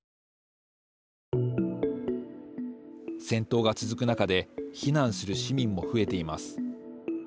戦闘が続く中で避難する市民も増えています。